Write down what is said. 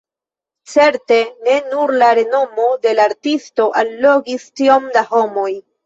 Certe ne nur la renomo de la artisto allogis tiom da homoj.